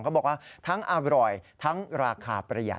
บอกว่าทั้งอร่อยทั้งราคาประหยัด